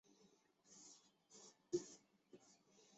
河畔的捣衣声